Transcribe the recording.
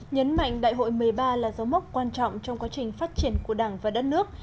nhấn mạnh đại hội một mươi ba là dấu mốc quan trọng trong quá trình phát triển của đảng và đất nước